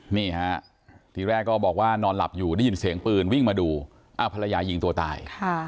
นี่ฮะทีแรกก็บอกว่านอนหลับอยู่ได้ยินเสียงปืนวิ่งมาดูอ้าวภรรยายิงตัวตาย